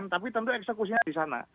tapi tentu eksekusinya di sana